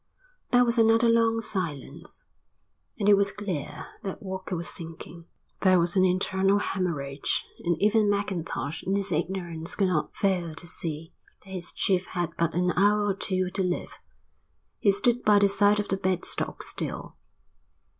There was another long silence, and it was clear that Walker was sinking. There was an internal hæmorrhage and even Mackintosh in his ignorance could not fail to see that his chief had but an hour or two to live. He stood by the side of the bed stock still.